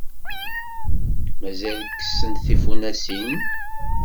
Mazal kessent tifunasin?